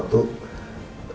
menurut perterangan di datangnya